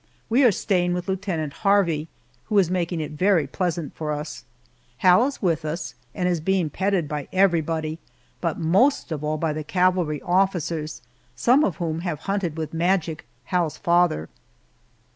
We are staying with Lieutenant Harvey, who is making it very pleasant for us. Hal is with us, and is being petted by everybody, but most of all by the cavalry officers, some of whom have hunted with Magic, Hal's father.